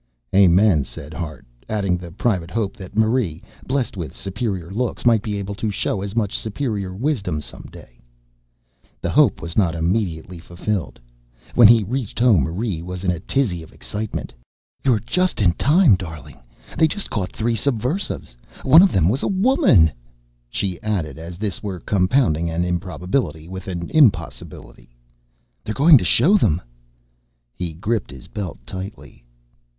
"Amen," said Hart, adding the private hope that Marie, blessed with superior looks, might be able to show as much superior wisdom some day. The hope was not immediately fulfilled. When he reached home Marie was in a tizzy of excitement. "You're just in time, darling. They just caught three subversives. One of them was a woman," she added as this were compounding an improbability with an impossibility. "They're going to show them." He gripped his belt tightly.